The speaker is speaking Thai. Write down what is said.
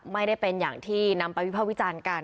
ไม่ได้เป็นอย่างที่นำไปวิภาควิจารณ์กัน